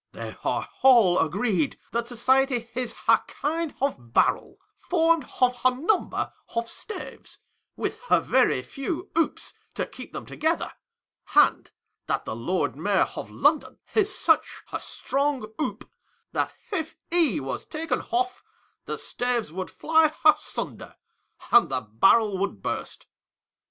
They are all agreed that society is a kind of barrel, formed of a number of staves, with a very few hoops to keep them together ; and that the Lord Mayor of London is such a strong hoop, that if he was taken off, the staves would fly asunder, and the barrel would burst.